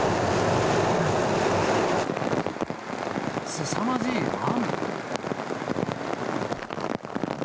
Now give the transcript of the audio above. すさまじい雨。